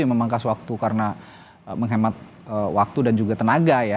yang memangkas waktu karena menghemat waktu dan juga tenaga ya